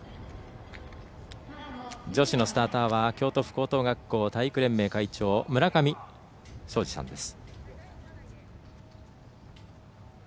女子のスターターは京都府高等学校体育連盟会長村上昌司さんです。